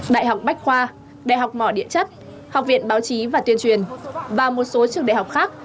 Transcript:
đại học bách khoa đại học mỏ địa chất học viện báo chí và tuyên truyền và một số trường đại học khác